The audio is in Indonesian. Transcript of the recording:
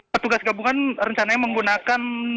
petugas gabungan rencananya menggunakan